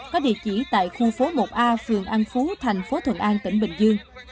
có địa chỉ tại khu phố một a phường an phú thành phố thuận an tỉnh bình dương